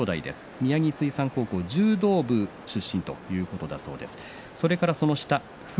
宮城水産高校、柔道部出身ということだそうです。